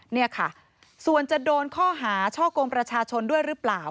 นี่ค่ะส่วนจะโดนข้อหาช่อกงประชาชนด้วยหรือเปล่า